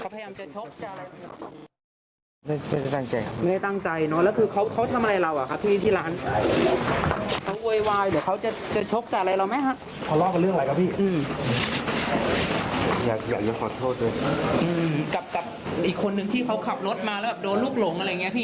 พี่จะยิงตั้งใจจะยิงหรือยิงลงพื้นนะพี่